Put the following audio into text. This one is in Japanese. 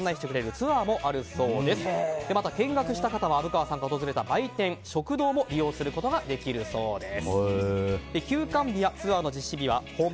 また見学した方は虻川さんが訪れた売店、食堂も利用することができるそうです。